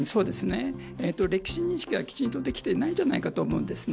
歴史認識が、きちんとできていないんじゃないかと思うんです。